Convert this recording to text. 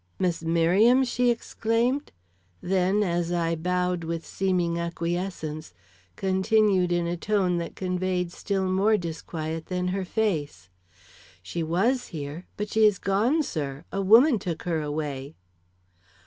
"Miss Merriam?" she exclaimed; then, as I bowed with seeming acquiescence, continued in a tone that conveyed still more disquiet than her face, "She was here; but she is gone, sir; a woman took her away."